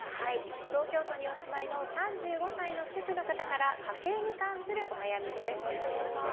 東京都にお住いの３５歳の主婦の方から家計に関するお悩みです。